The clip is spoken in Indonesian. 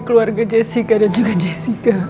keluarga jessica dan juga jessica